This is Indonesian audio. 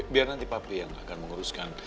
biar nanti pabrik yang akan menguruskan